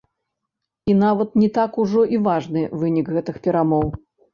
І нават не так ужо і важны вынік гэтых перамоў.